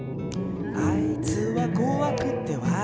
「あいつはこわくてわるいやつ」